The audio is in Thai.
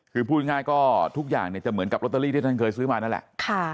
คือพูดง่ายก็ทุกอย่างเนี่ยจะเหมือนกับลอตเตอรี่ที่ท่านเคยซื้อมานั่นแหละ